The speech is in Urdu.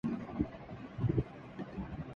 بلو آہستہ آہستہ ببلو میں انٹرسٹیڈ ہوتی جا رہی ہے